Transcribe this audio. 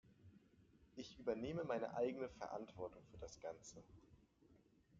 Ich übernehme meine eigene Verantwortung für das Ganze.